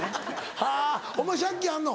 はぁお前借金あんの？